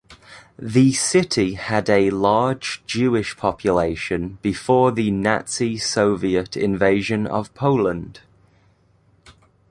The city had a large Jewish population before the Nazi-Soviet Invasion of Poland.